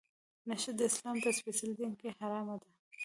نشه د اسلام په سپیڅلي دین کې حرامه ده.